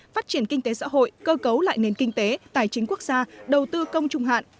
phát triển kinh tế xã hội cơ cấu lại nền kinh tế tài chính quốc gia đầu tư công trung hạn